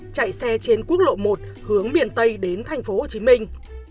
chạy xe trên quốc lộ một hướng biển tây đến thành phố hồ chí minh